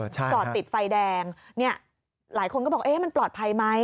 จอดติดไฟแดงหลายคนก็บอกมันปลอดภัยไหม